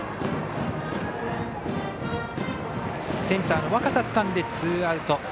センターの若狭つかんでツーアウト。